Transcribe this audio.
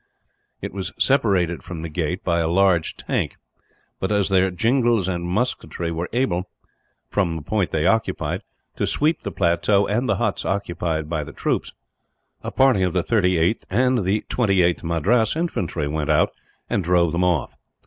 It was separated from the gate by a large tank; but as their jingals and musketry were able, from the point they occupied, to sweep the plateau and the huts occupied by the troops, a party of the 38th and the 28th Madras Infantry went out, and drove them off.